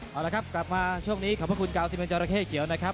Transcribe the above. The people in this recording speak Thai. เอาละครับกลับมาช่วงนี้ขอบพระคุณกาวซิเมนจราเข้เขียวนะครับ